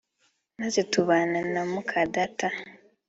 maze tubana na mukadata